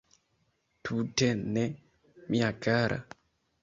Tute ne, mia kara.